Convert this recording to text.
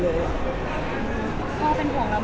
พ่อเป็นห่วงด้วยมากเรารู้สึกยังไงนะคะ